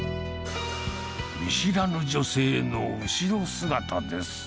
見知らぬ女性の後ろ姿です。